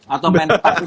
atau main petak umpet